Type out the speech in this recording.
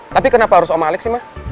tapi kenapa harus omah omah sih ma